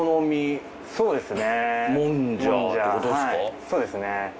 あそうですね。